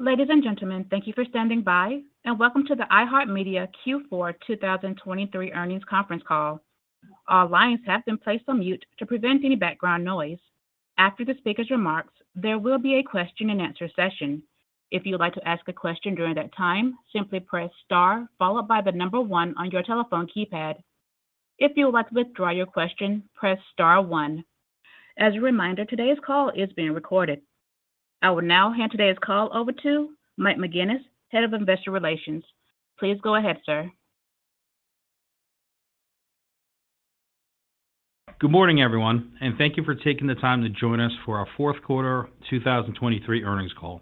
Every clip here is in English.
Ladies and gentlemen, thank you for standing by, and welcome to the iHeartMedia Q4 2023 earnings conference call. Our lines have been placed on mute to prevent any background noise. After the speaker's remarks, there will be a question-and-answer session. If you would like to ask a question during that time, simply press star followed by the number one on your telephone keypad. If you would like to withdraw your question, press star one. As a reminder, today's call is being recorded. I will now hand today's call over to Mike McGuinness, Head of Investor Relations. Please go ahead, sir. Good morning, everyone, and thank you for taking the time to join us for our fourth quarter 2023 earnings call.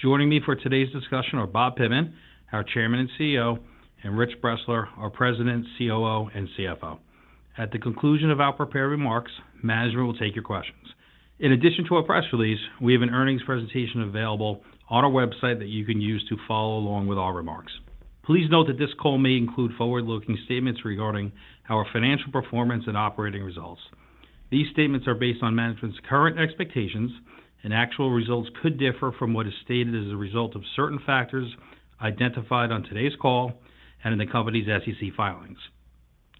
Joining me for today's discussion are Bob Pittman, our Chairman and CEO, and Rich Bressler, our President, COO, and CFO. At the conclusion of our prepared remarks, management will take your questions. In addition to our press release, we have an earnings presentation available on our website that you can use to follow along with our remarks. Please note that this call may include forward-looking statements regarding our financial performance and operating results. These statements are based on management's current expectations, and actual results could differ from what is stated as a result of certain factors identified on today's call and in the company's SEC filings.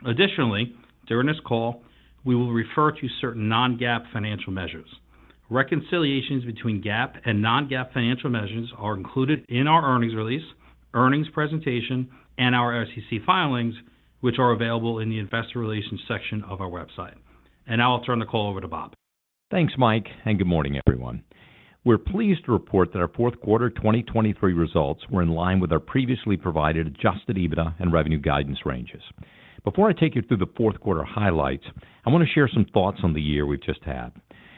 Additionally, during this call, we will refer to certain non-GAAP financial measures. Reconciliations between GAAP and non-GAAP financial measures are included in our earnings release, earnings presentation, and our SEC filings, which are available in the Investor Relations section of our website. Now I'll turn the call over to Bob. Thanks, Mike, and good morning, everyone. We're pleased to report that our fourth quarter 2023 results were in line with our previously provided adjusted EBITDA and revenue guidance ranges. Before I take you through the fourth quarter highlights, I want to share some thoughts on the year we've just had.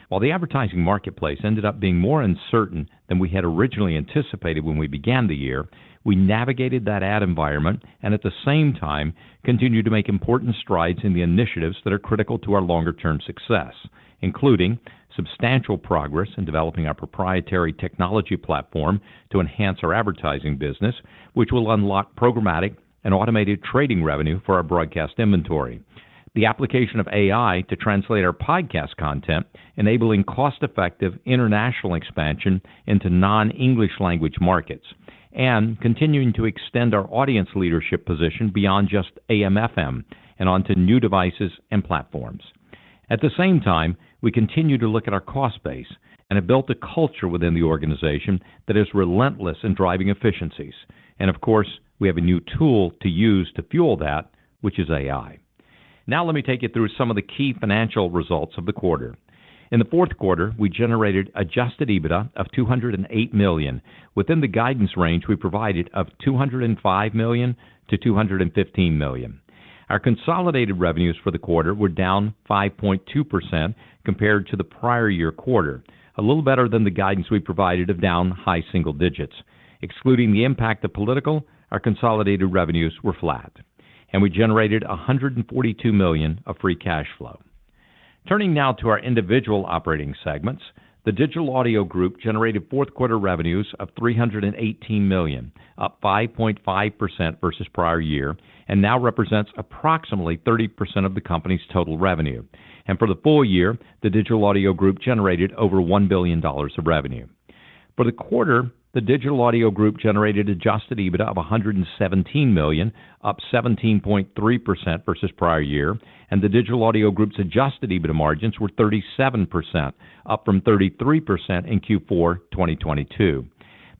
While the advertising marketplace ended up being more uncertain than we had originally anticipated when we began the year, we navigated that ad environment and, at the same time, continued to make important strides in the initiatives that are critical to our longer-term success, including substantial progress in developing our proprietary technology platform to enhance our advertising business, which will unlock programmatic and automated trading revenue for our broadcast inventory, the application of AI to translate our podcast content, enabling cost-effective international expansion into non-English language markets, and continuing to extend our audience leadership position beyond just AM/FM and onto new devices and platforms. At the same time, we continue to look at our cost base and have built a culture within the organization that is relentless in driving efficiencies. And of course, we have a new tool to use to fuel that, which is AI. Now let me take you through some of the key financial results of the quarter. In the fourth quarter, we generated adjusted EBITDA of $208 million, within the guidance range we provided of $205 million-$215 million. Our consolidated revenues for the quarter were down 5.2% compared to the prior-year quarter, a little better than the guidance we provided of down high single digits. Excluding the impact of political, our consolidated revenues were flat, and we generated $142 million of free cash flow. Turning now to our individual operating segments, the Digital Audio Group generated fourth quarter revenues of $318 million, up 5.5% versus prior year, and now represents approximately 30% of the company's total revenue. And for the full year, the Digital Audio Group generated over $1 billion of revenue. For the quarter, the Digital Audio Group generated adjusted EBITDA of $117 million, up 17.3% versus prior year, and the Digital Audio Group's adjusted EBITDA margins were 37%, up from 33% in Q4 2022.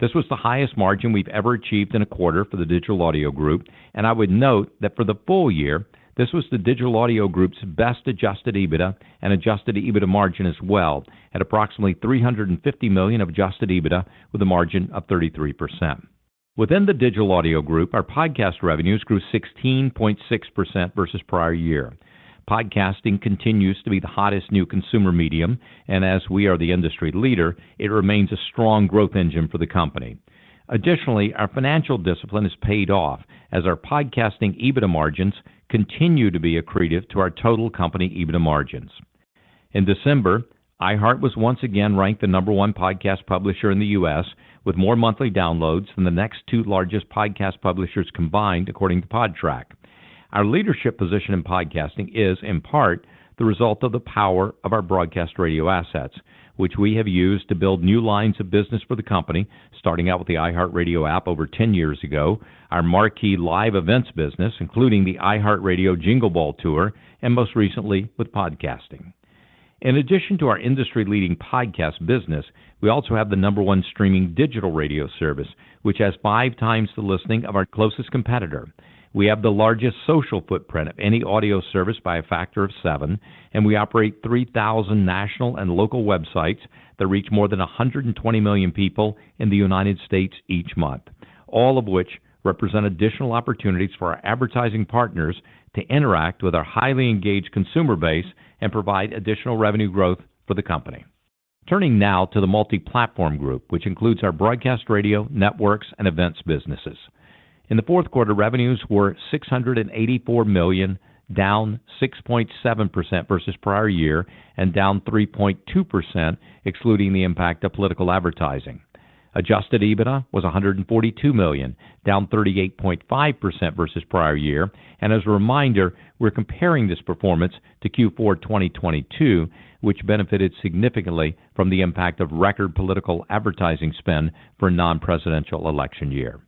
This was the highest margin we've ever achieved in a quarter for the Digital Audio Group. I would note that for the full year, this was the Digital Audio Group's best adjusted EBITDA and adjusted EBITDA margin as well, at approximately $350 million of adjusted EBITDA with a margin of 33%. Within the Digital Audio Group, our podcast revenues grew 16.6% versus prior year. Podcasting continues to be the hottest new consumer medium, and as we are the industry leader, it remains a strong growth engine for the company. Additionally, our financial discipline has paid off as our podcasting EBITDA margins continue to be accretive to our total company EBITDA margins. In December, iHeart was once again ranked the number one podcast publisher in the U.S. with more monthly downloads than the next two largest podcast publishers combined, according to Podtrac. Our leadership position in podcasting is, in part, the result of the power of our broadcast radio assets, which we have used to build new lines of business for the company, starting out with the iHeartRadio app over 10 years ago, our marquee live events business, including the iHeartRadio Jingle Ball Tour, and most recently with podcasting. In addition to our industry-leading podcast business, we also have the number one streaming digital radio service, which has five times the listening of our closest competitor. We have the largest social footprint of any audio service by a factor of seven, and we operate 3,000 national and local websites that reach more than 120 million people in the United States each month, all of which represent additional opportunities for our advertising partners to interact with our highly engaged consumer base and provide additional revenue growth for the company. Turning now to the Multiplatform Group, which includes our broadcast radio, networks, and events businesses. In the fourth quarter, revenues were $684 million, down 6.7% versus prior year, and down 3.2%, excluding the impact of political advertising. adjusted EBITDA was $142 million, down 38.5% versus prior year. And as a reminder, we're comparing this performance to Q4 2022, which benefited significantly from the impact of record political advertising spend for a non-presidential election year.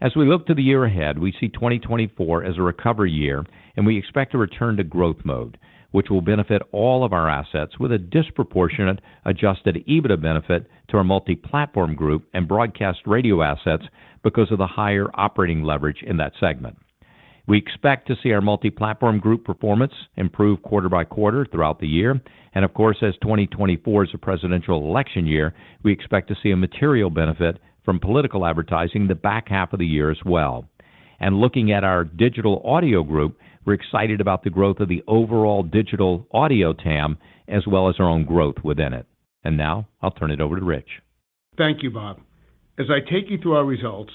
As we look to the year ahead, we see 2024 as a recovery year, and we expect to return to growth mode, which will benefit all of our assets with a disproportionate adjusted EBITDA benefit to our Multiplatform Group and broadcast radio assets because of the higher operating leverage in that segment. We expect to see our Multiplatform Group performance improve quarter-by-quarter throughout the year. Of course, as 2024 is a presidential election year, we expect to see a material benefit from political advertising the back half of the year as well. Looking at our Digital Audio Group, we're excited about the growth of the overall digital audio TAM as well as our own growth within it. Now I'll turn it over to Rich. Thank you, Bob. As I take you through our results,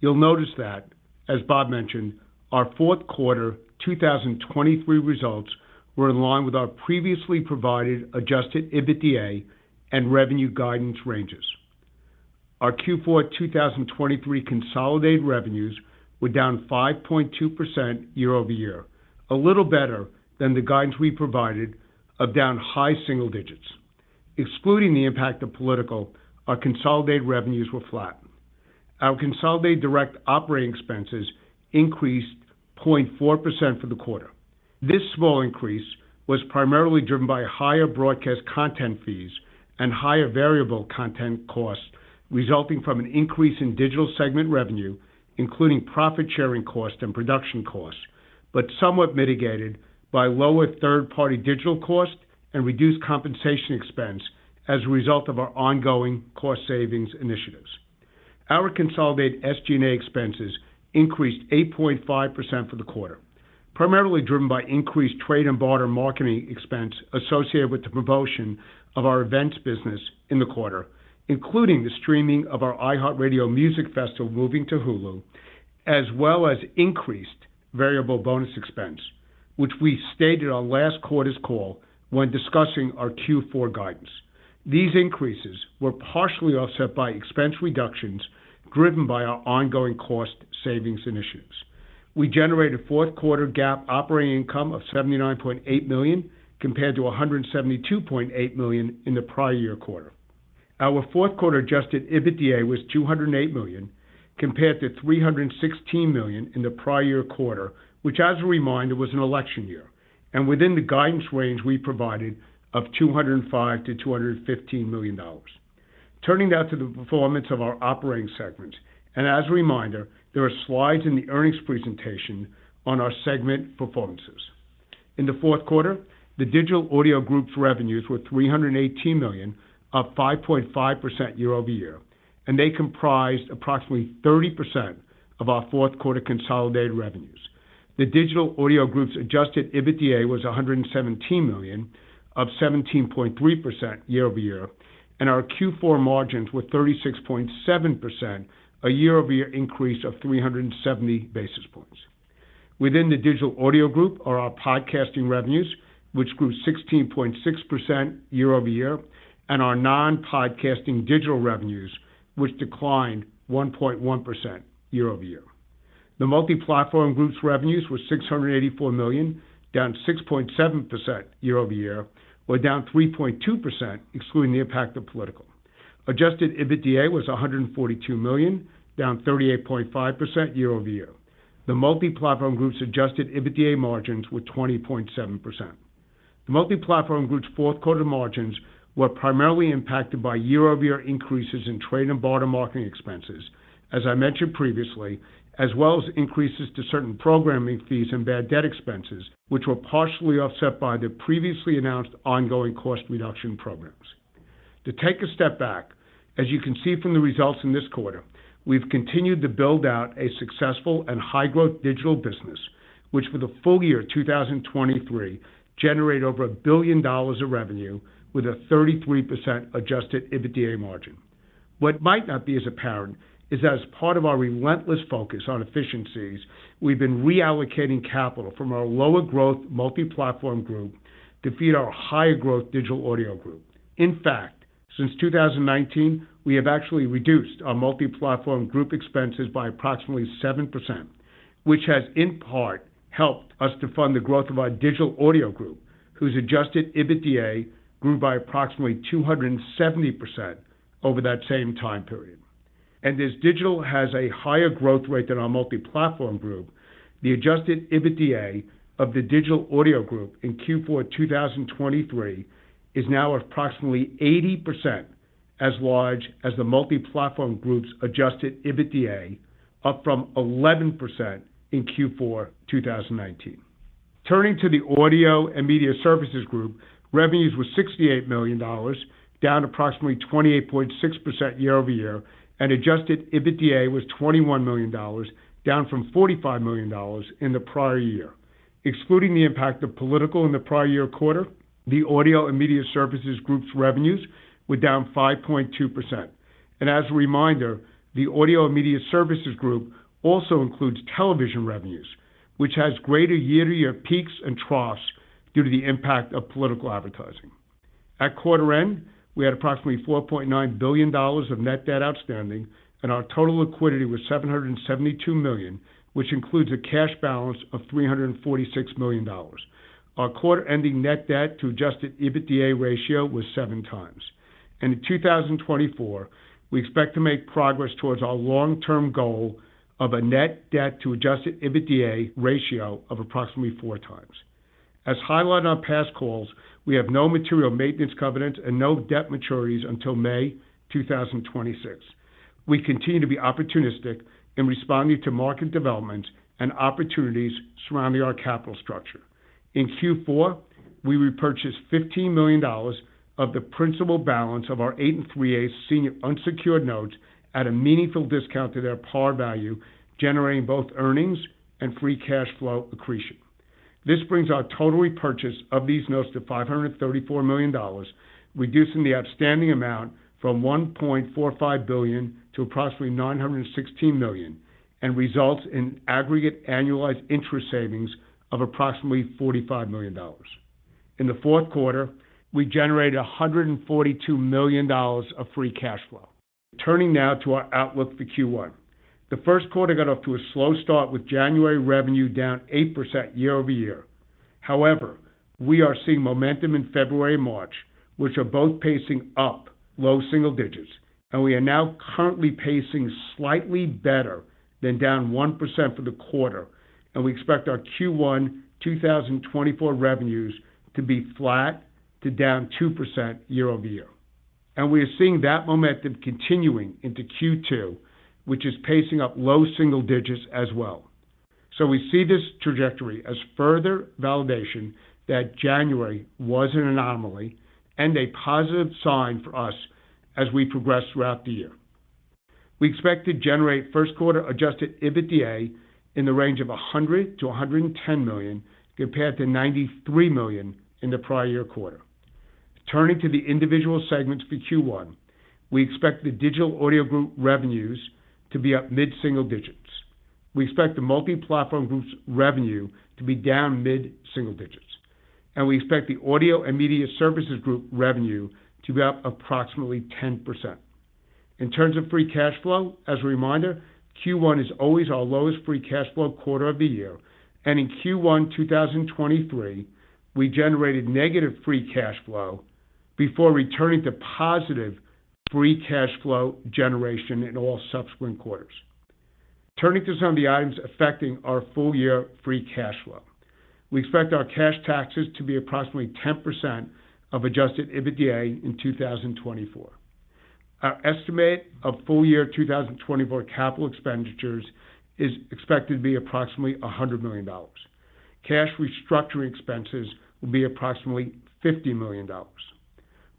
you'll notice that, as Bob mentioned, our fourth quarter 2023 results were in line with our previously provided adjusted EBITDA and revenue guidance ranges. Our Q4 2023 consolidated revenues were down 5.2% year-over-year, a little better than the guidance we provided of down high single digits. Excluding the impact of political, our consolidated revenues were flat. Our consolidated direct operating expenses increased 0.4% for the quarter. This small increase was primarily driven by higher broadcast content fees and higher variable content costs resulting from an increase in digital segment revenue, including profit sharing cost and production costs, but somewhat mitigated by lower third-party digital cost and reduced compensation expense as a result of our ongoing cost savings initiatives. Our consolidated SG&A expenses increased 8.5% for the quarter, primarily driven by increased trade-and-barter marketing expense associated with the promotion of our events business in the quarter, including the streaming of our iHeartRadio Music Festival moving to Hulu, as well as increased variable bonus expense, which we stated on last quarter's call when discussing our Q4 guidance. These increases were partially offset by expense reductions driven by our ongoing cost savings initiatives. We generated fourth quarter GAAP operating income of $79.8 million compared to $172.8 million in the prior-year quarter. Our fourth quarter adjusted EBITDA was $208 million compared to $316 million in the prior-year quarter, which, as a reminder, was an election year and within the guidance range we provided of $205 million-$215 million. Turning now to the performance of our operating segments. As a reminder, there are slides in the earnings presentation on our segment performances. In the fourth quarter, the Digital Audio Group's revenues were $318 million, up 5.5% year-over-year, and they comprised approximately 30% of our fourth quarter consolidated revenues. The Digital Audio Group's adjusted EBITDA was $117 million, up 17.3% year-over-year, and our Q4 margins were 36.7%, a year-over-year increase of 370 basis points. Within the Digital Audio Group are our podcasting revenues, which grew 16.6% year-over-year, and our non-podcasting digital revenues, which declined 1.1% year-over-year. The Multiplatform Group's revenues were $684 million, down 6.7% year-over-year, were down 3.2%, excluding the impact of political. adjusted EBITDA was $142 million, down 38.5% year-over-year. The Multiplatform Group's adjusted EBITDA margins were 20.7%. The Multiplatform Group's fourth quarter margins were primarily impacted by year-over-year increases in trade-and-barter marketing expenses, as I mentioned previously, as well as increases to certain programming fees and bad debt expenses, which were partially offset by the previously announced ongoing cost reduction programs. To take a step back, as you can see from the results in this quarter, we've continued to build out a successful and high-growth digital business, which, for the full year 2023, generated over $1 billion of revenue with a 33% adjusted EBITDA margin. What might not be as apparent is that, as part of our relentless focus on efficiencies, we've been reallocating capital from our lower-growth Multiplatform Group to feed our higher-growth Digital Audio Group. In fact, since 2019, we have actually reduced our Multiplatform Group expenses by approximately 7%, which has, in part, helped us to fund the growth of our Digital Audio Group, whose adjusted EBITDA grew by approximately 270% over that same time period. As digital has a higher growth rate than our Multiplatform Group, the adjusted EBITDA of the Digital Audio Group in Q4 2023 is now approximately 80% as large as the Multiplatform Group's adjusted EBITDA, up from 11% in Q4 2019. Turning to the Audio and Media Services Group, revenues were $68 million, down approximately 28.6% year-over-year, and adjusted EBITDA was $21 million, down from $45 million in the prior year. Excluding the impact of political in the prior-year quarter, the Audio and Media Services Group's revenues were down 5.2%. As a reminder, the Audio and Media Services Group also includes television revenues, which has greater year-to-year peaks and troughs due to the impact of political advertising. At quarter end, we had approximately $4.9 billion of net debt outstanding, and our total liquidity was $772 million, which includes a cash balance of $346 million. Our quarter-ending net debt-to-adjusted EBITDA ratio was 7x. In 2024, we expect to make progress towards our long-term goal of a net debt-to-adjusted EBITDA ratio of approximately 4x. As highlighted on past calls, we have no material maintenance covenants and no debt maturities until May 2026. We continue to be opportunistic in responding to market developments and opportunities surrounding our capital structure. In Q4, we repurchased $15 million of the principal balance of our 8 and 3/8 senior unsecured notes at a meaningful discount to their par value, generating both earnings and free cash flow accretion. This brings our total repurchase of these notes to $534 million, reducing the outstanding amount from $1.45 billion to approximately $916 million and results in aggregate annualized interest savings of approximately $45 million. In the fourth quarter, we generated $142 million of free cash flow. Turning now to our outlook for Q1. The first quarter got off to a slow start with January revenue down 8% year-over-year. However, we are seeing momentum in February and March, which are both pacing up low single digits, and we are now currently pacing slightly better than down 1% for the quarter. We expect our Q1 2024 revenues to be flat to down 2% year-over-year. We are seeing that momentum continuing into Q2, which is pacing up low single digits as well. So we see this trajectory as further validation that January was an anomaly and a positive sign for us as we progress throughout the year. We expect to generate first quarter adjusted EBITDA in the range of $100 million-$110 million compared to $93 million in the prior-year quarter. Turning to the individual segments for Q1, we expect the Digital Audio Group revenues to be up mid-single digits. We expect the Multiplatform Group revenue to be down mid-single digits, and we expect the Audio and Media Services Group revenue to be up approximately 10%. In terms of free cash flow, as a reminder, Q1 is always our lowest free cash flow quarter of the year. In Q1 2023, we generated negative free cash flow before returning to positive free cash flow generation in all subsequent quarters. Turning to some of the items affecting our full-year free cash flow, we expect our cash taxes to be approximately 10% of adjusted EBITDA in 2024. Our estimate of full-year 2024 capital expenditures is expected to be approximately $100 million. Cash restructuring expenses will be approximately $50 million.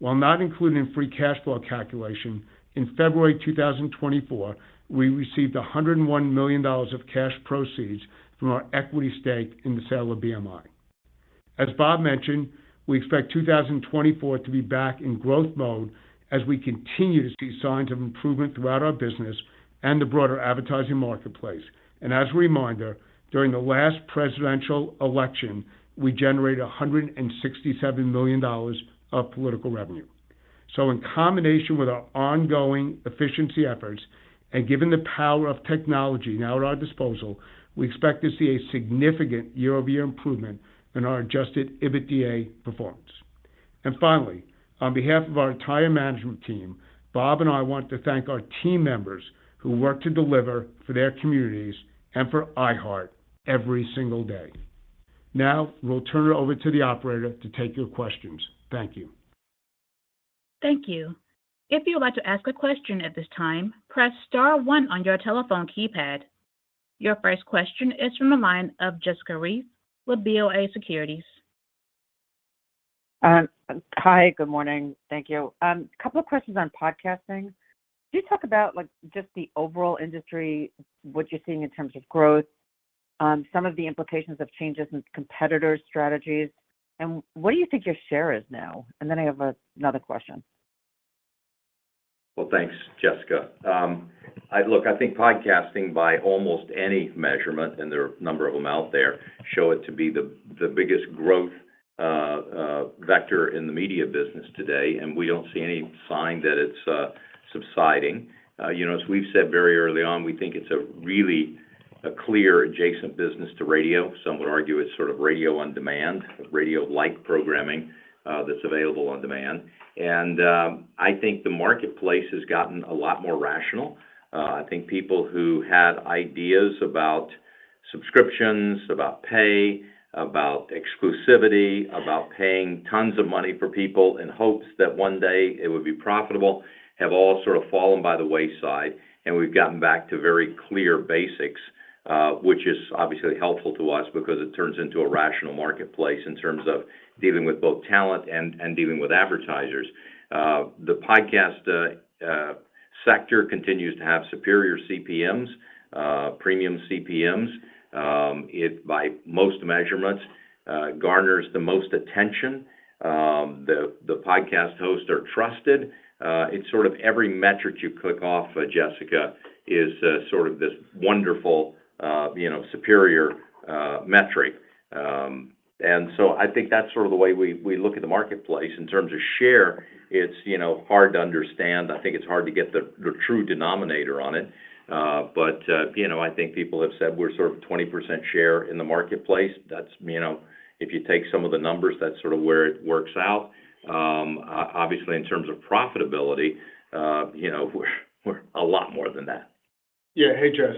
While not included in free cash flow calculation, in February 2024, we received $101 million of cash proceeds from our equity stake in the sale of BMI. As Bob mentioned, we expect 2024 to be back in growth mode as we continue to see signs of improvement throughout our business and the broader advertising marketplace. As a reminder, during the last presidential election, we generated $167 million of political revenue. So in combination with our ongoing efficiency efforts and given the power of technology now at our disposal, we expect to see a significant year-over-year improvement in our adjusted EBITDA performance. And finally, on behalf of our entire management team, Bob and I want to thank our team members who work to deliver for their communities and for iHeartMedia every single day. Now we'll turn it over to the operator to take your questions. Thank you. Thank you. If you would like to ask a question at this time, press star one on your telephone keypad. Your first question is from the line of Jessica Reif with BofA Securities. Hi. Good morning. Thank you. A couple of questions on podcasting. Could you talk about just the overall industry, what you're seeing in terms of growth, some of the implications of changes in competitors' strategies, and what do you think your share is now? And then I have another question. Well, thanks, Jessica. Look, I think podcasting, by almost any measurement and there are a number of them out there, shows it to be the biggest growth vector in the media business today. We don't see any sign that it's subsiding. As we've said very early on, we think it's a really clear adjacent business to radio. Some would argue it's sort of radio on demand, radio-like programming that's available on demand. I think the marketplace has gotten a lot more rational. I think people who had ideas about subscriptions, about pay, about exclusivity, about paying tons of money for people in hopes that one day it would be profitable have all sort of fallen by the wayside. We've gotten back to very clear basics, which is obviously helpful to us because it turns into a rational marketplace in terms of dealing with both talent and dealing with advertisers. The podcast sector continues to have superior CPMs, premium CPMs. It, by most measurements, garners the most attention. The podcast hosts are trusted. It's sort of every metric you click off, Jessica, is sort of this wonderful, superior metric. And so I think that's sort of the way we look at the marketplace. In terms of share, it's hard to understand. I think it's hard to get the true denominator on it. But I think people have said, "We're sort of 20% share in the marketplace." If you take some of the numbers, that's sort of where it works out. Obviously, in terms of profitability, we're a lot more than that. Yeah. Hey, Jess.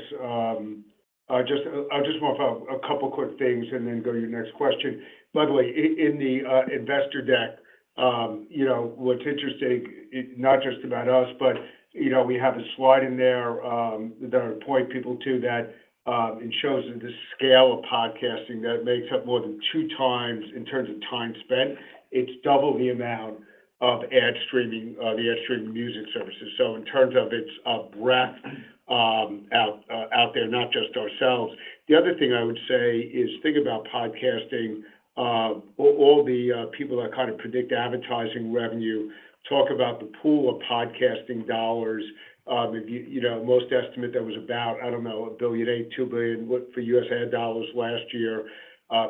I'll just morph out a couple of quick things and then go to your next question. By the way, in the investor deck, what's interesting, not just about us, but we have a slide in there that I point people to that shows the scale of podcasting that it makes up more than 2x in terms of time spent. It's double the amount of ad streaming, the ad streaming music services. So in terms of its breadth out there, not just ourselves. The other thing I would say is think about podcasting. All the people that kind of predict advertising revenue talk about the pool of podcasting dollars. Most estimate that was about, I don't know, $1.8 billion-$2 billion for U.S. ad dollars last year.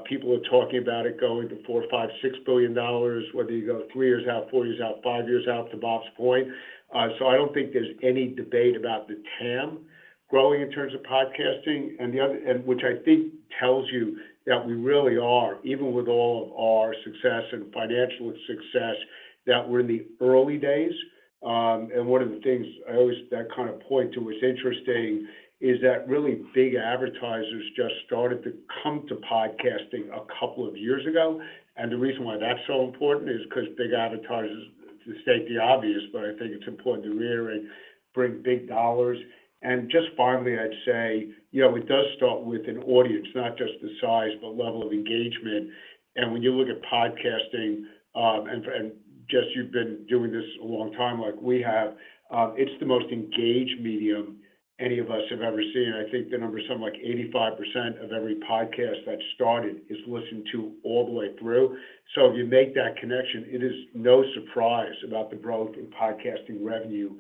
People are talking about it going to $4 billion, $5 billion, $6 billion, whether you go three years out, four years out, five years out, to Bob's point. So I don't think there's any debate about the TAM growing in terms of podcasting, which I think tells you that we really are, even with all of our success and financial success, that we're in the early days. And one of the things I always that kind of point to, what's interesting, is that really big advertisers just started to come to podcasting a couple of years ago. And the reason why that's so important is because big advertisers to state the obvious, but I think it's important to reiterate, bring big dollars. And just finally, I'd say it does start with an audience, not just the size, but level of engagement. When you look at podcasting, and Jess, you've been doing this a long time like we have, it's the most engaged medium any of us have ever seen. I think the numbers sound like 85% of every podcast that started is listened to all the way through. So if you make that connection, it is no surprise about the growth in podcasting revenue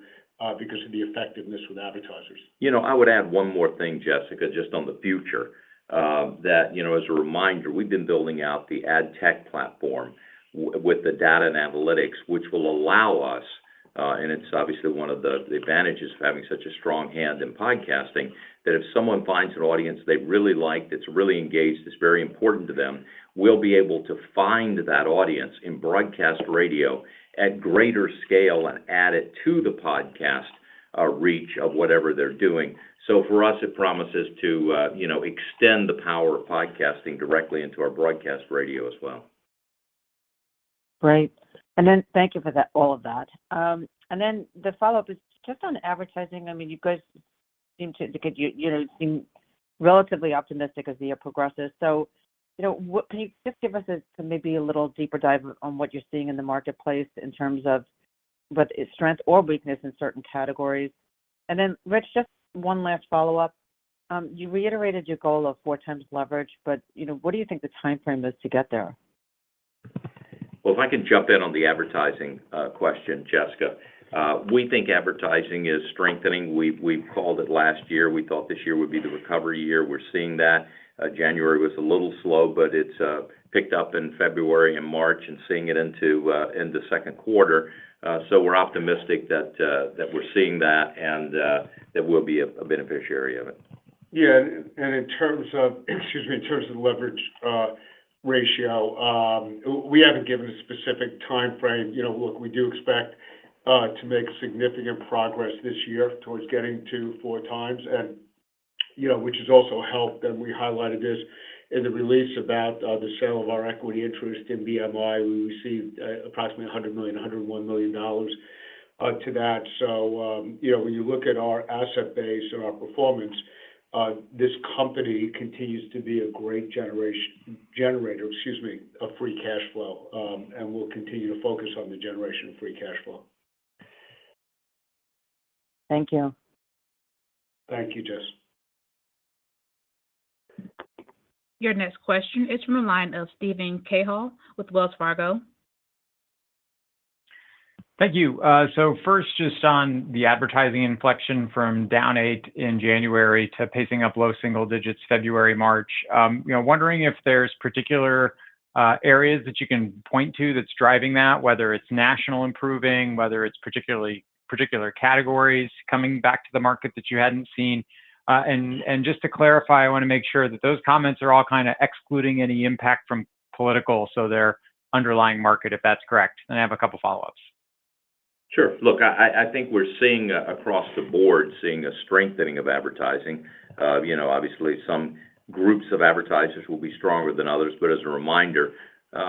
because of the effectiveness with advertisers. I would add one more thing, Jessica, just on the future, that as a reminder, we've been building out the ad tech platform with the data and analytics, which will allow us, and it's obviously one of the advantages of having such a strong hand in podcasting, that if someone finds an audience they really like, that's really engaged, that's very important to them, we'll be able to find that audience in broadcast radio at greater scale and add it to the podcast reach of whatever they're doing. So for us, it promises to extend the power of podcasting directly into our broadcast radio as well. Great. Thank you for all of that. The follow-up is just on advertising. I mean, you guys seem, because you seem relatively optimistic as the year progresses. So can you just give us maybe a little deeper dive on what you're seeing in the marketplace in terms of whether it's strength or weakness in certain categories? Rich, just one last follow-up. You reiterated your goal of 4x leverage, but what do you think the timeframe is to get there? Well, if I can jump in on the advertising question, Jessica. We think advertising is strengthening. We've called it last year. We thought this year would be the recovery year. We're seeing that. January was a little slow, but it's picked up in February and March and seeing it into second quarter. So we're optimistic that we're seeing that and that we'll be a beneficiary of it. Yeah. And in terms of, excuse me, in terms of the leverage ratio, we haven't given a specific timeframe. Look, we do expect to make significant progress this year towards getting to 4 times, which has also helped. And we highlighted this in the release about the sale of our equity interest in BMI. We received approximately $100 million, $101 million to that. So when you look at our asset base and our performance, this company continues to be a great generator, excuse me, of free cash flow. And we'll continue to focus on the generation of free cash flow. Thank you. Thank you, Jess. Your next question is from the line of Steven Cahall with Wells Fargo. Thank you. So first, just on the advertising inflection from down 8% in January to pacing up low single digits% February, March, wondering if there's particular areas that you can point to that's driving that, whether it's national improving, whether it's particular categories coming back to the market that you hadn't seen. And just to clarify, I want to make sure that those comments are all kind of excluding any impact from political, so the underlying market, if that's correct. And I have a couple of follow-ups. Sure. Look, I think we're seeing across the board, seeing a strengthening of advertising. Obviously, some groups of advertisers will be stronger than others. But as a reminder,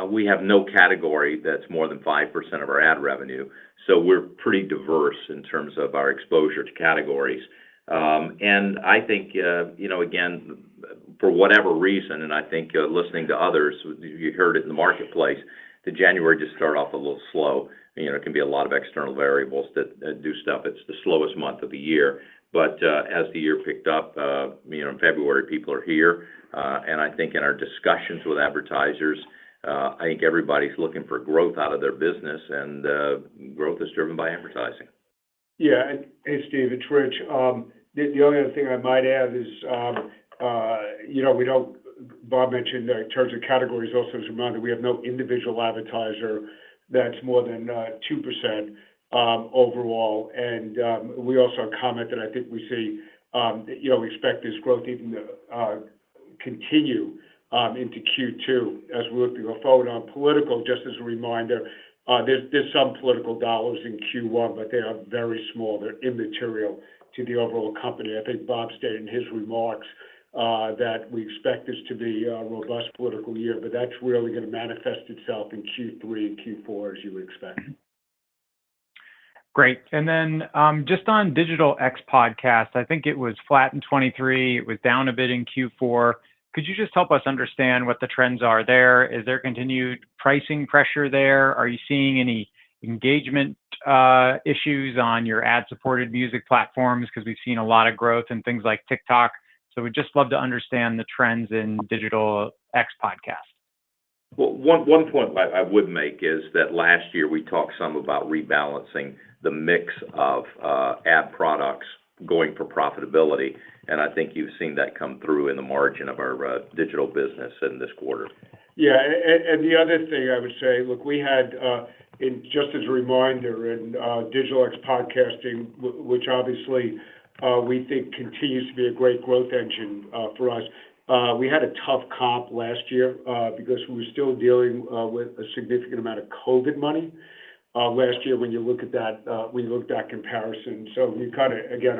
we have no category that's more than 5% of our ad revenue. So we're pretty diverse in terms of our exposure to categories. And I think, again, for whatever reason, and I think listening to others, you heard it in the marketplace, that January just started off a little slow. It can be a lot of external variables that do stuff. It's the slowest month of the year. But as the year picked up, in February, people are here. And I think in our discussions with advertisers, I think everybody's looking for growth out of their business. And growth is driven by advertising. Yeah. Hey, Steve. It's Rich. The only other thing I might add is we don't. Bob mentioned in terms of categories also, as a reminder, we have no individual advertiser that's more than 2% overall. And we also comment that I think we see we expect this growth even to continue into Q2 as we look to go forward. On political, just as a reminder, there's some political dollars in Q1, but they are very small. They're immaterial to the overall company. I think Bob stated in his remarks that we expect this to be a robust political year, but that's really going to manifest itself in Q3 and Q4, as you would expect. Great. And then just on digital ex-podcasts, I think it was flat in 2023. It was down a bit in Q4. Could you just help us understand what the trends are there? Is there continued pricing pressure there? Are you seeing any engagement issues on your ad-supported music platforms? Because we've seen a lot of growth in things like TikTok. So we'd just love to understand the trends in digital ex-podcasts. Well, one point I would make is that last year, we talked some about rebalancing the mix of ad products going for profitability. I think you've seen that come through in the margin of our digital business in this quarter. Yeah. And the other thing I would say, look, we had, just as a reminder, in digital ex-podcasting, which obviously we think continues to be a great growth engine for us, we had a tough comp last year because we were still dealing with a significant amount of COVID money last year when you look at that when you look at that comparison. So you kind of again,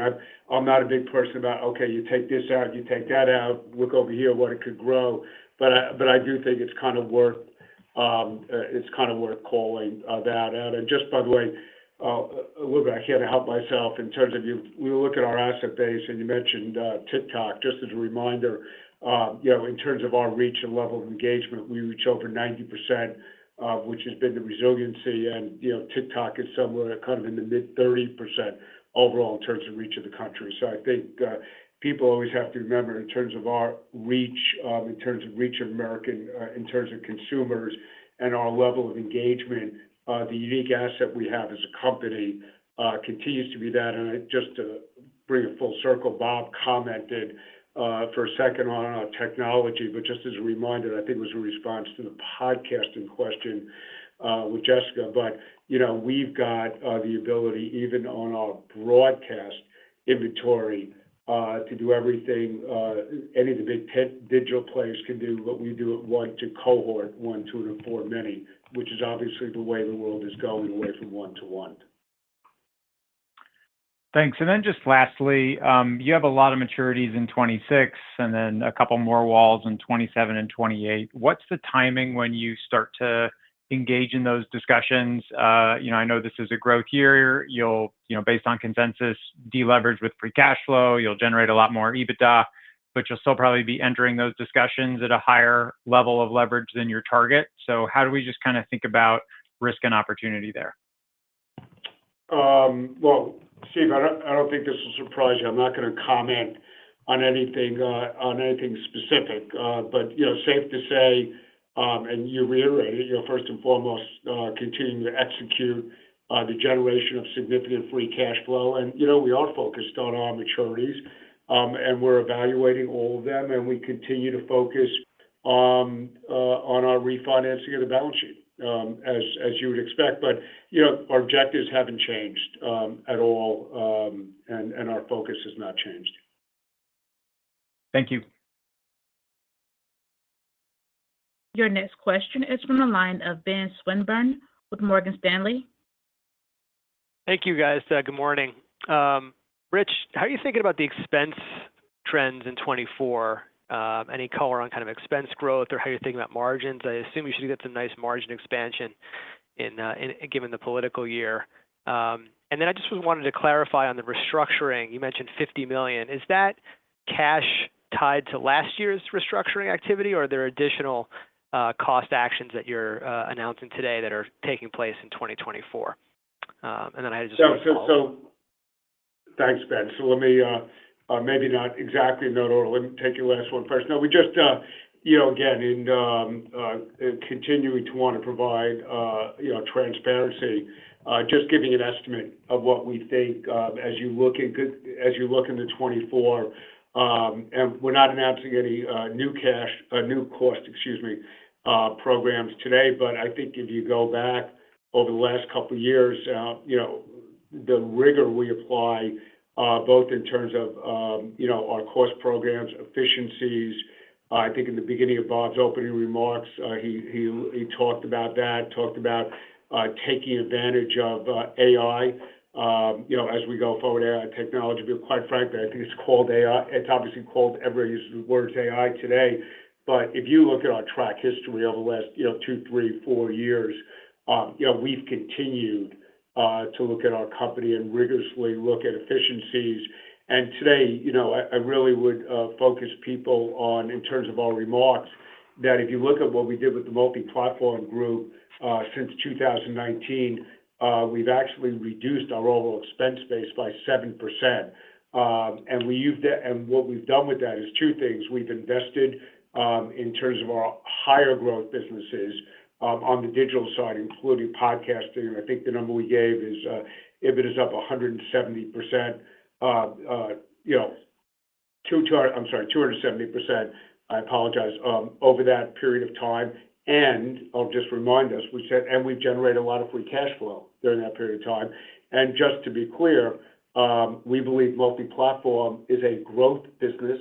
I'm not a big person about, "Okay, you take this out. You take that out. Look over here what it could grow." But I do think it's kind of worth it's kind of worth calling that out. And just by the way, a little bit back here to help myself in terms of you look at our asset base, and you mentioned TikTok. Just as a reminder, in terms of our reach and level of engagement, we reach over 90%, which has been the resiliency. TikTok is somewhere kind of in the mid-30% overall in terms of reach of the country. So I think people always have to remember in terms of our reach, in terms of reach of American, in terms of consumers, and our level of engagement, the unique asset we have as a company continues to be that. Just to bring it full circle, Bob commented for a second on our technology. But just as a reminder, I think it was a response to the podcasting question with Jessica. But we've got the ability, even on our broadcast inventory, to do everything any of the big digital players can do, but we do it one-to-cohort, one-to-many, which is obviously the way the world is going away from one-to-one. Thanks. Then just lastly, you have a lot of maturities in 2026 and then a couple more walls in 2027 and 2028. What's the timing when you start to engage in those discussions? I know this is a growth year. You'll, based on consensus, de-leverage with free cash flow. You'll generate a lot more EBITDA, but you'll still probably be entering those discussions at a higher level of leverage than your target. So how do we just kind of think about risk and opportunity there? Well, Steve, I don't think this will surprise you. I'm not going to comment on anything specific. But safe to say, and you reiterated, first and foremost, continuing to execute the generation of significant free cash flow. We are focused on our maturities, and we're evaluating all of them. We continue to focus on our refinancing of the balance sheet, as you would expect. But our objectives haven't changed at all, and our focus has not changed. Thank you. Your next question is from the line of Ben Swinburne with Morgan Stanley. Thank you, guys. Good morning. Rich, how are you thinking about the expense trends in 2024? Any color on kind of expense growth or how you're thinking about margins? I assume you should get some nice margin expansion given the political year. And then I just wanted to clarify on the restructuring. You mentioned $50 million. Is that cash tied to last year's restructuring activity, or are there additional cost actions that you're announcing today that are taking place in 2024? And then I had to just follow up. So thanks, Ben. So let me maybe not exactly note or let me take your last one first. No, we just again, in continuing to want to provide transparency, just giving an estimate of what we think as you look in as you look into 2024. And we're not announcing any new cash new cost, excuse me, programs today. But I think if you go back over the last couple of years, the rigor we apply, both in terms of our cost programs, efficiencies, I think in the beginning of Bob's opening remarks, he talked about that, talked about taking advantage of AI as we go forward, AI technology. But quite frankly, I think it's called AI. It's obviously called everybody uses the words AI today. But if you look at our track history over the last 2, 3, 4 years, we've continued to look at our company and rigorously look at efficiencies. And today, I really would focus people on, in terms of our remarks, that if you look at what we did with the Multiplatform Group since 2019, we've actually reduced our overall expense base by 7%. And what we've done with that is two things. We've invested in terms of our higher growth businesses on the digital side, including podcasting. And I think the number we gave is EBITDA is up 170%. I'm sorry, 270%, I apologize, over that period of time. And I'll just remind us, we said, and we've generated a lot of free cash flow during that period of time. And just to be clear, we believe multi-platform is a growth business.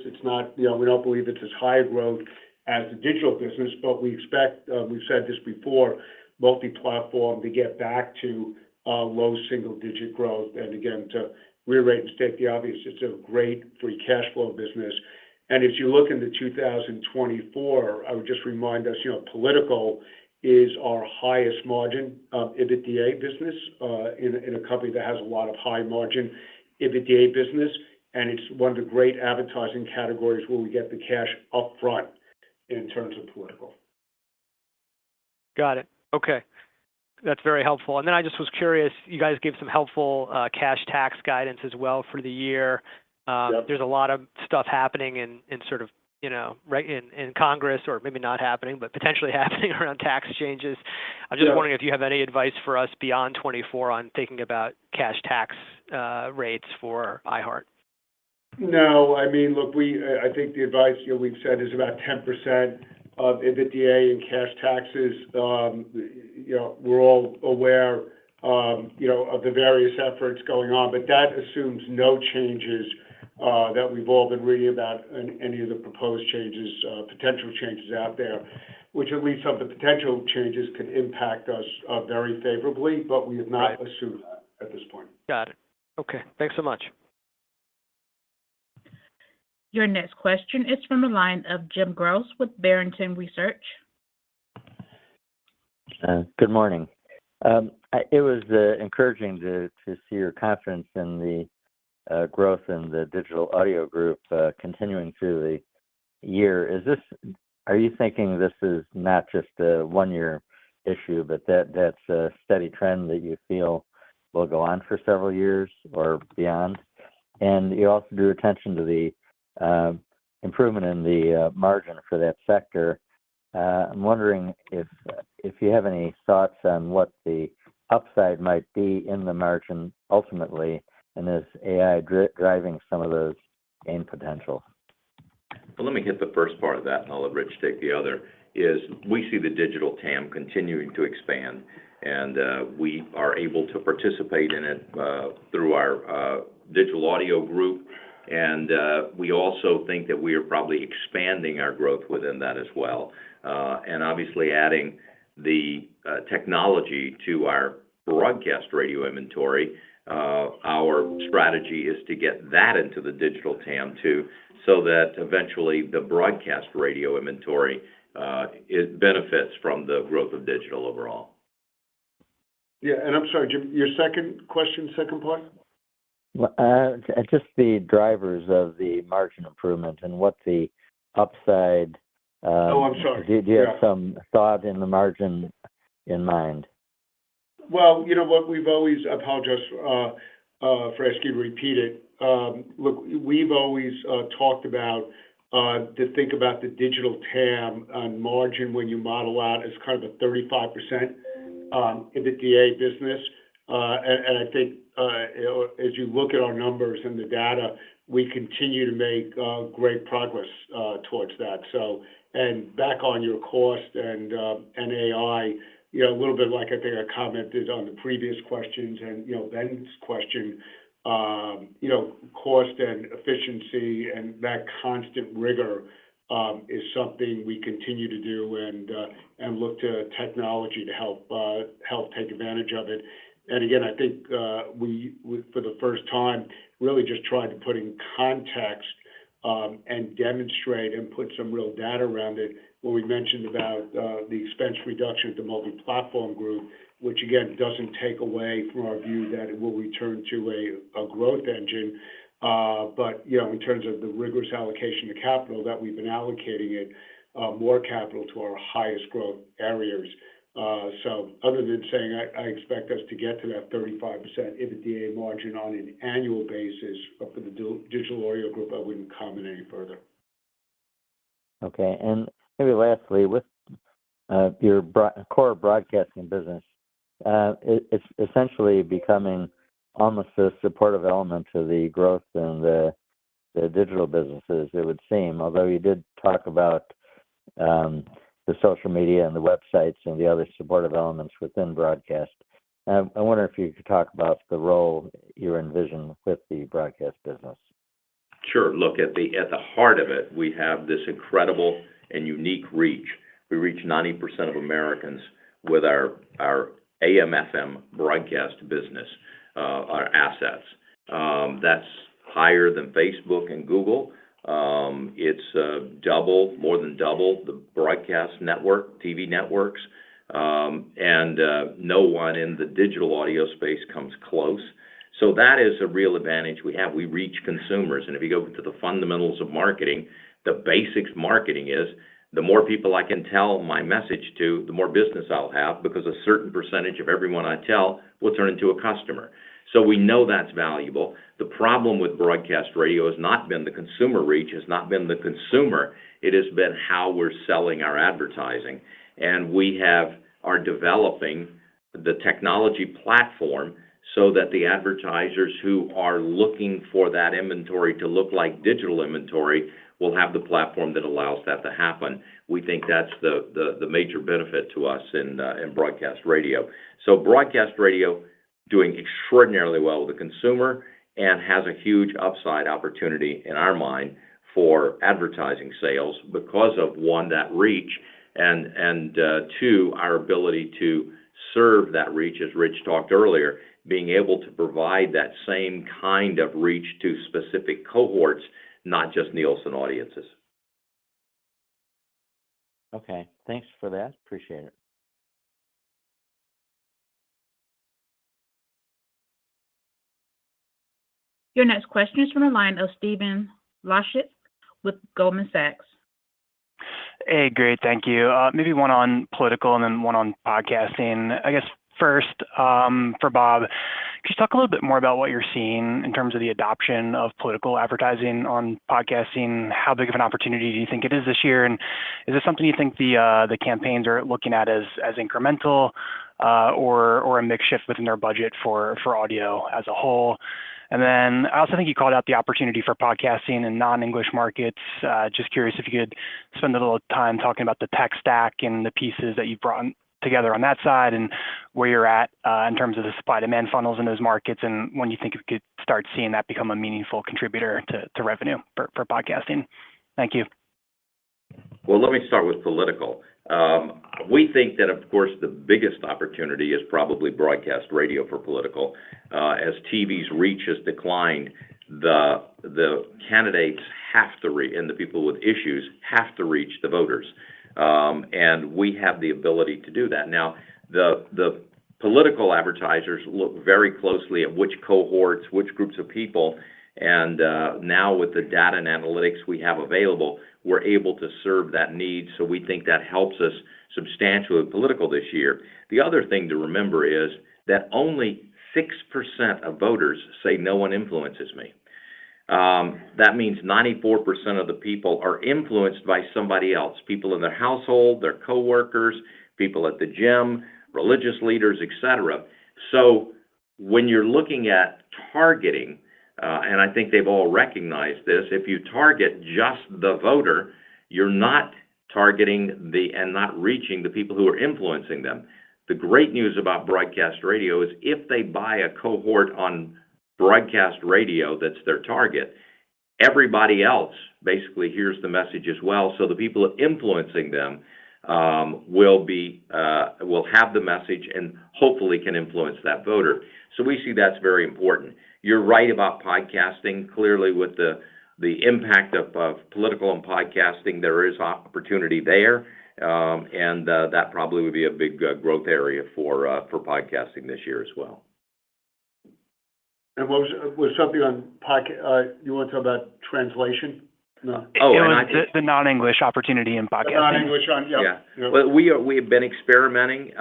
We don't believe it's as high a growth as the digital business, but we expect we've said this before, multi-platform to get back to low single-digit growth. And again, to rearrange and state the obvious, it's a great free cash flow business. And if you look into 2024, I would just remind us, political is our highest margin, EBITDA business in a company that has a lot of high margin, EBITDA business. And it's one of the great advertising categories where we get the cash upfront in terms of political. Got it. Okay. That's very helpful. And then I just was curious, you guys gave some helpful cash tax guidance as well for the year. There's a lot of stuff happening in sort of right in Congress or maybe not happening, but potentially happening around tax changes. I'm just wondering if you have any advice for us beyond 2024 on thinking about cash tax rates for iHeartMedia, Bob Pittman? No. I mean, look, I think the advice we've said is about 10% of EBITDA in cash taxes. We're all aware of the various efforts going on, but that assumes no changes that we've all been reading about any of the proposed changes, potential changes out there, which at least some of the potential changes could impact us very favorably, but we have not assumed that at this point. Got it. Okay. Thanks so much. Your next question is from the line of Jim Goss with Barrington Research. Good morning. It was encouraging to see your confidence in the growth in the Digital Audio Group continuing through the year. Are you thinking this is not just a one-year issue, but that's a steady trend that you feel will go on for several years or beyond? You also drew attention to the improvement in the margin for that sector. I'm wondering if you have any thoughts on what the upside might be in the margin ultimately, and is AI driving some of those gain potentials? Well, let me hit the first part of that, and I'll let Rich take the other, is we see the digital TAM continuing to expand, and we are able to participate in it through our Digital Audio Group. We also think that we are probably expanding our growth within that as well. Obviously, adding the technology to our broadcast radio inventory, our strategy is to get that into the digital TAM too so that eventually, the broadcast radio inventory benefits from the growth of digital overall. Yeah. And I'm sorry, Jim, your second question, second part? Just the drivers of the margin improvement and what the upside? Oh, I'm sorry. Do you have some thought in the margin in mind? Well, what we've always apologize for asking to repeat it. Look, we've always talked about to think about the digital TAM on margin when you model out as kind of a 35% EBITDA business. I think as you look at our numbers and the data, we continue to make great progress towards that. Back on your cost and AI, a little bit like I think I commented on the previous questions and Ben's question, cost and efficiency and that constant rigor is something we continue to do and look to technology to help take advantage of it. Again, I think we, for the first time, really just tried to put in context and demonstrate and put some real data around it when we mentioned about the expense reduction at the Multiplatform Group, which again, doesn't take away from our view that it will return to a growth engine. But in terms of the rigorous allocation of capital that we've been allocating it, more capital to our highest growth areas. So other than saying I expect us to get to that 35% EBITDA margin on an annual basis for the Digital Audio Group, I wouldn't comment any further. Okay. And maybe lastly, with your core broadcasting business, it's essentially becoming almost a supportive element to the growth in the digital businesses, it would seem, although you did talk about the social media and the websites and the other supportive elements within broadcast. I wonder if you could talk about the role you envision with the broadcast business. Sure. Look, at the heart of it, we have this incredible and unique reach. We reach 90% of Americans with our AM/FM broadcast business assets. That's higher than Facebook and Google. It's double, more than double, the broadcast network, TV networks, and no one in the digital audio space comes close. So that is a real advantage we have. We reach consumers. And if you go to the fundamentals of marketing, the basics, marketing is the more people I can tell my message to, the more business I'll have because a certain percentage of everyone I tell will turn into a customer. So we know that's valuable. The problem with broadcast radio has not been the consumer reach; it has not been the consumer. It has been how we're selling our advertising. We are developing the technology platform so that the advertisers who are looking for that inventory to look like digital inventory will have the platform that allows that to happen. We think that's the major benefit to us in broadcast radio. So broadcast radio doing extraordinarily well with the consumer and has a huge upside opportunity in our mind for advertising sales because of, one, that reach, and two, our ability to serve that reach as Rich talked earlier, being able to provide that same kind of reach to specific cohorts, not just Nielsen audiences. Okay. Thanks for that. Appreciate it. Your next question is from the line of Stephen Laszczyk with Goldman Sachs. Hey, great. Thank you. Maybe one on political and then one on podcasting. I guess first, for Bob, could you talk a little bit more about what you're seeing in terms of the adoption of political advertising on podcasting? How big of an opportunity do you think it is this year? And is it something you think the campaigns are looking at as incremental or a mixed shift within their budget for audio as a whole? And then I also think you called out the opportunity for podcasting in non-English markets. Just curious if you could spend a little time talking about the tech stack and the pieces that you've brought together on that side and where you're at in terms of the supply-demand funnels in those markets and when you think you could start seeing that become a meaningful contributor to revenue for podcasting? Thank you. Well, let me start with political. We think that, of course, the biggest opportunity is probably broadcast radio for political. As TV's reach has declined, the candidates have to and the people with issues have to reach the voters. And we have the ability to do that. Now, the political advertisers look very closely at which cohorts, which groups of people. And now with the data and analytics we have available, we're able to serve that need. So we think that helps us substantially with political this year. The other thing to remember is that only 6% of voters say, "No one influences me." That means 94% of the people are influenced by somebody else, people in their household, their coworkers, people at the gym, religious leaders, etc. So when you're looking at targeting, and I think they've all recognized this, if you target just the voter, you're not targeting and not reaching the people who are influencing them. The great news about broadcast radio is if they buy a cohort on broadcast radio that's their target, everybody else basically hears the message as well. So the people influencing them will have the message and hopefully can influence that voter. So we see that's very important. You're right about podcasting. Clearly, with the impact of political and podcasting, there is opportunity there. And that probably would be a big growth area for podcasting this year as well. Was something on you want to talk about translation? Oh, and the non-English opportunity in podcasting. Non-English on, yeah. Well, we have been experimenting.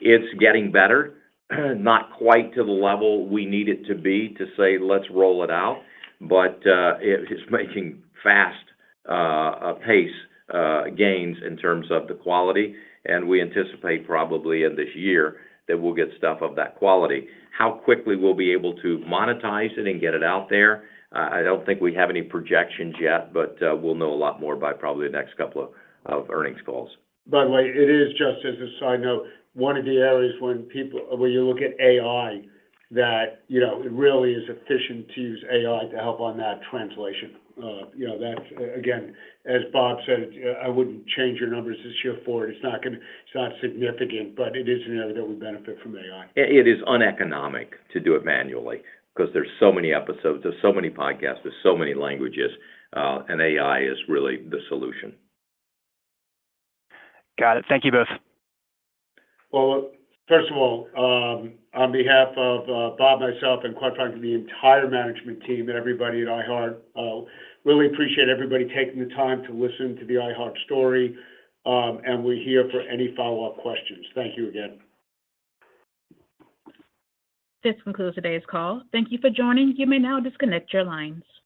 It's getting better, not quite to the level we need it to be to say, "Let's roll it out." But it's making fast pace gains in terms of the quality. And we anticipate probably in this year that we'll get stuff of that quality. How quickly we'll be able to monetize it and get it out there, I don't think we have any projections yet, but we'll know a lot more by probably the next couple of earnings calls. By the way, it is just as a side note, one of the areas when you look at AI that it really is efficient to use AI to help on that translation. Again, as Bob said, I wouldn't change your numbers this year for it. It's not significant, but it is an area that would benefit from AI. It is uneconomic to do it manually because there's so many episodes of so many podcasts with so many languages. And AI is really the solution. Got it. Thank you both. Well, first of all, on behalf of Bob, myself, and quite frankly, the entire management team and everybody at iHeart, really appreciate everybody taking the time to listen to the iHeartMedia story. We're here for any follow-up questions. Thank you again. This concludes today's call. Thank you for joining. You may now disconnect your lines.